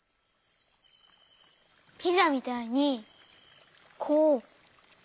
ピザみたいにこうわける？